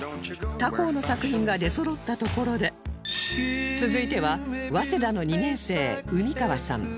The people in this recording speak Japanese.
他校の作品が出そろったところで続いては早稲田の２年生海川さん